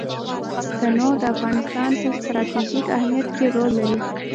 تنوع د افغانستان په ستراتیژیک اهمیت کې رول لري.